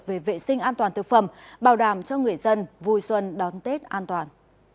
về vệ sinh an toàn thực phẩm bảo đảm cho người dân vui xuân đón tết an toàn